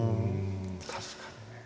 確かにね。